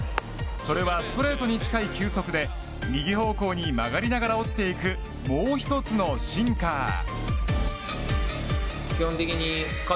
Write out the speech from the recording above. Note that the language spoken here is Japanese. それはストレートに近い球速で右方向に曲がりながら落ちていくもう一つのシンカー。